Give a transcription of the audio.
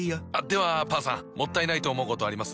ではパンさんもったいないと思うことあります？